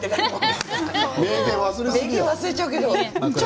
すぐ忘れちゃうけど。